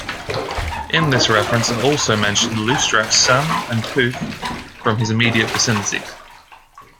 In this reference are also mentioned Leustrak's son and Puch from his immediate vicinities.